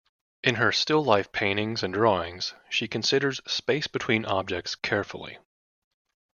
In her still life paintings and drawings, she considers space between objects carefully.